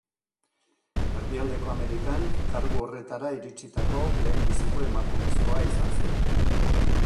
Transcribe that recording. Erdialdeko Amerikan kargu horretara iritsitako lehenbiziko emakumezkoa izan zen.